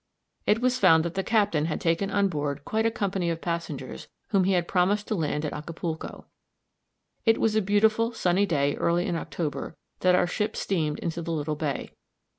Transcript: It was found that the captain had taken on board quite a company of passengers whom he had promised to land at Acapulco. It was a beautiful, sunny day early in October, that our ship steamed into the little bay.